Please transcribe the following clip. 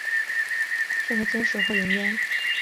适合煎食或盐腌。